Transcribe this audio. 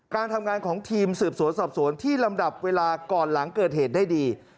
การทำงานของทีมสืบสวนสอบสวนที่ลำดับเวลาก่อนหลังเกิดเหตุได้ดี